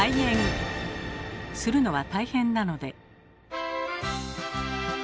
するのは大変なので。